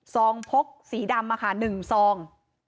องพกสีดำ๑ซอง